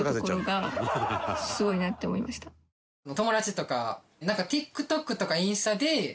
友達とか。